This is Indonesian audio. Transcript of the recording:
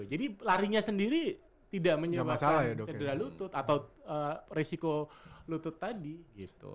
jadi larinya sendiri tidak menyebabkan cedera lutut atau resiko lutut tadi gitu